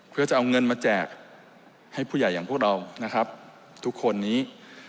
เพื่อจะเอาเงินมาแจกให้ผู้ใหญ่อย่างพวกเรานะครับทุกคนนี้